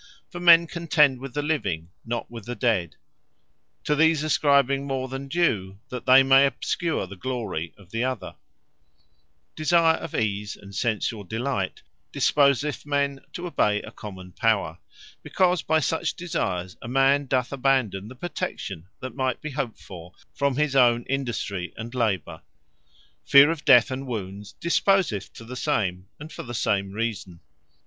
For men contend with the living, not with the dead; to these ascribing more than due, that they may obscure the glory of the other. Civil Obedience From Love Of Ease Desire of Ease, and sensuall Delight, disposeth men to obey a common Power: because by such Desires, a man doth abandon the protection might be hoped for from his own Industry, and labour. From Feare Of Death Or Wounds Fear of Death, and Wounds, disposeth to the same; and for the same reason.